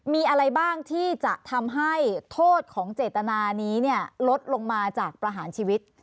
มีอะไรบ้างที่จะทำให้โทษของเจตนานี้ลดลงมาจากประหารชีวิต